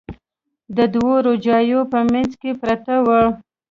د دوو روجاییو په منځ کې پرته وه.